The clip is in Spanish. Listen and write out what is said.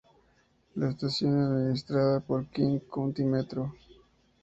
La estación es administrada por King County Metro.